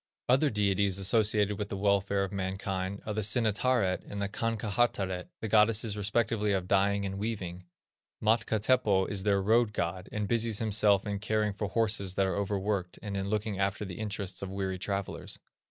Other deities associated with the welfare of mankind are the Sinettaret and Kankahattaret, the goddesses respectively of dyeing and weaving. Matka Teppo is their road god, and busies himself in caring for horses that are over worked, and in looking after the interests of weary travellers.